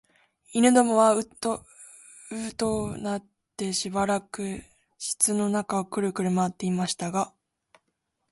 犬どもはううとうなってしばらく室の中をくるくる廻っていましたが、